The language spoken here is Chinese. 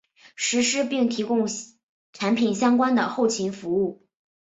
实施并提供产品相关的后勤服务。